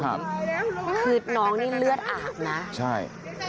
คือน้องนี่เลือดอาบนะใช่